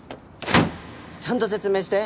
ちゃんと説明して！